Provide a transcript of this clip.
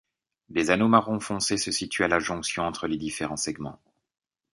Des anneaux marron foncé se situent à la jonction entre les différents segments.